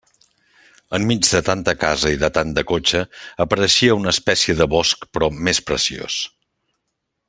Enmig de tanta casa i de tant de cotxe, apareixia una espècie de bosc però més preciós.